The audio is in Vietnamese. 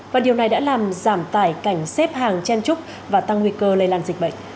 và điều này đã làm giảm tải cảnh xếp hàng chen trúc và tăng nguy cơ lây lan dịch bệnh